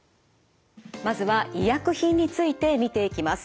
まずは医薬品について見ていきます。